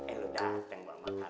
eh lu cateng gua makan